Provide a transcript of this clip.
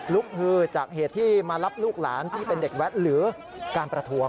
ฮือจากเหตุที่มารับลูกหลานที่เป็นเด็กแวดหรือการประท้วง